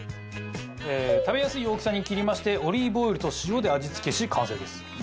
食べやすい大きさに切りましてオリーブオイルと塩で味付けし完成です。